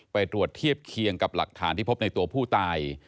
ไปตรวจเทียบเคียงกับหลักฐานที่พบในตัวผู้ตาย